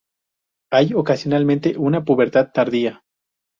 Hay ocasionalmente una pubertad tardía.